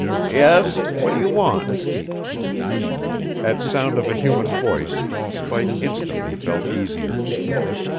"Yes. What do you want?" At sound of a human voice, Spike instantly felt easier.